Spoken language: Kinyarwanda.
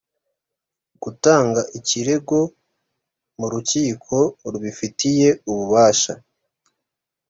gutanga ikirego mu rukiko rubifitiye ububasha